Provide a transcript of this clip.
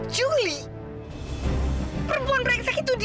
juli perempuan reksa itu di